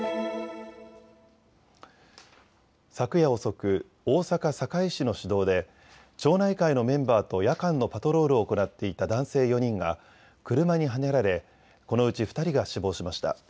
昨夜遅く、大阪堺市の市道で町内会のメンバーと夜間のパトロールを行っていた男性４人が車にはねられこのうち２人が死亡しました。